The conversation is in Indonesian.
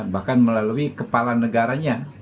bahkan melalui kepala negaranya